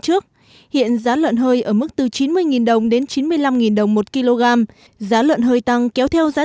trước hiện giá lợn hơi ở mức từ chín mươi đồng đến chín mươi năm đồng một kg giá lợn hơi tăng kéo theo giá